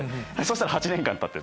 したら８年間たってて。